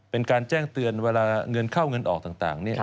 เป็นการแจ้งเตือนเวลาเงินเข้าเงินออกต่าง